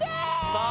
さあ